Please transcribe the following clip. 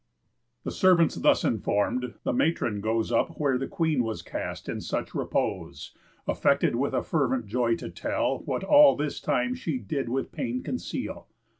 The servants thus inform'd, the matron goes Up where the Queen was cast in such repose, Affected with a fervent joy to tell What all this time she did with pain conceal.